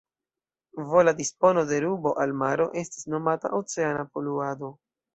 Vola dispono de rubo al maro estas nomata "oceana poluado".